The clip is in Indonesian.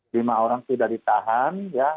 lima orang sudah ditahan